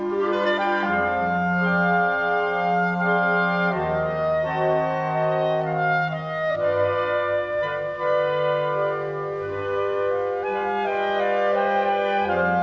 โปรดติดตามต่อไป